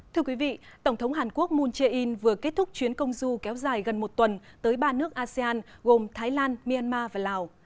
thưa quý vị tổng thống hàn quốc moon jae in vừa kết thúc chuyến công du kéo dài gần một tuần tới ba nước asean gồm thái lan myanmar và lào